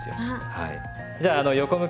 はい。